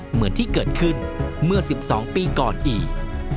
เหมือนที่เกิดขึ้นเมื่อ๑๒ปีก่อนอีก